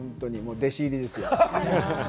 弟子入りですよ。